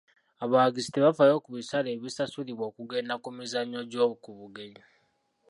Abawagizi tebafaayo ku bisale ebisasulibwa okugenda ku mizannyo gy'oku bugenyi.